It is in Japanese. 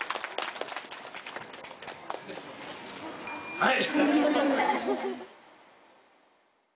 はい！